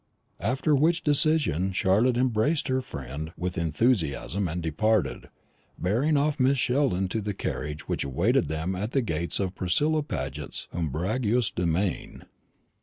After which decision Charlotte embraced her friend with enthusiasm, and departed, bearing off Mrs. Sheldon to the carriage which awaited them at the gates of Priscilla Paget's umbrageous domain.